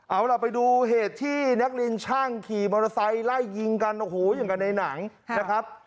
เอาล่ะไปดูเหตุที่นักเรียนช่างขี่มอเตอร์ไซค์ไล่ยิงกันโอ้โหอย่างกันในหนังนะครับ